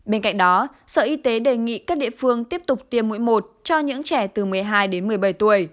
bên cạnh đó sở y tế đề nghị các địa phương tiếp tục tiêm mũi một cho những trẻ từ một mươi hai đến một mươi bảy tuổi